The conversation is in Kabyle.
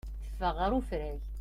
Teffeɣ ɣer ufrag.